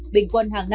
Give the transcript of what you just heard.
bình quân hàng ngày